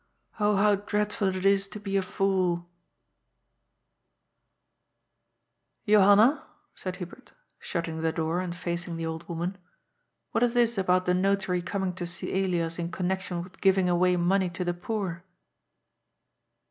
Oh how dreadful it is to be a fool !"" Johanna," said Hubert, shutting the door and facing the old woman, " what is this about the Notary coming to see Elias in connection with giving away money to the poor?"